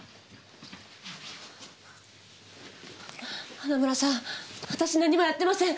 花村さん私何もやってません。